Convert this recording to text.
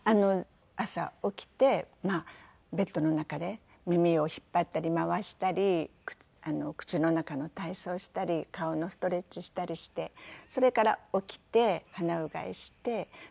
朝起きてベッドの中で耳を引っ張ったり回したり口の中の体操をしたり顔のストレッチしたりしてそれから起きて鼻うがいしてでストレッチもしてね。